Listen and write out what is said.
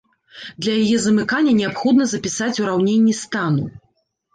Для яе замыкання неабходна запісаць ураўненні стану.